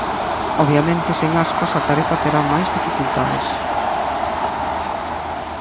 Obviamente sen Aspas a tarefa terá máis dificultades.